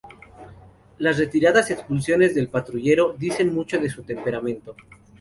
Las reiteradas expulsiones del ‘Patrullero’ dicen mucho de su temperamento.